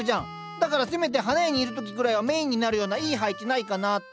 だからせめて花屋にいる時ぐらいはメインになるようないい配置ないかなって。